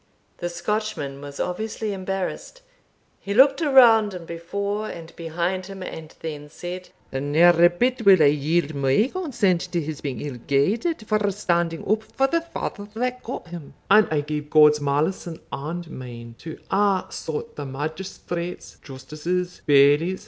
The Scotchman was obviously embarrassed. He looked around, and before, and behind him, and then said "The ne'er a bit will I yield my consent to his being ill guided for standing up for the father that got him and I gie God's malison and mine to a' sort o' magistrates, justices, bailies.